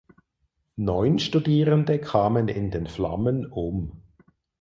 Neun Studierende kamen in den Flammen um.